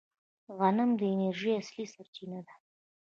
غنم د انرژۍ اصلي سرچینه ده.